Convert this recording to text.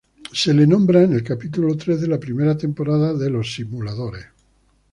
Es nombrada en el capítulo tres de la primera temporada de Los Simuladores.